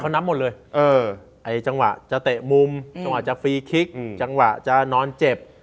นับหมดเลยเออไอ้จังหวะจะเตะมุมจังหวะจะฟรีคลิกจังหวะจะนอนเจ็บ